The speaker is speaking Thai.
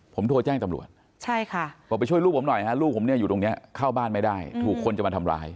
ผมโทรแจ้งตำรวจใช่ค่ะบอกไปช่วยลูกผมหน่อยฮะลูกผมเนี่ยอยู่ตรงนี้เข้าบ้านไม่ได้ถูกคนจะมาทำร้าย